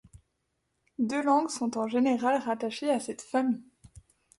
Deux langues sont en général rattachées à cette famille.